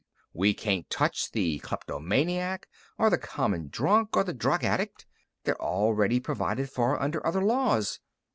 "We can't touch the kleptomaniac or the common drunk or the drug addict. They're already provided for under other laws.